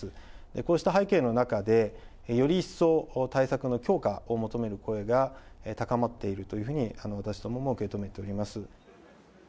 こうした背景の中で、より一層、対策の強化を求める声が高まっているというふうに、私どもも受け止めております。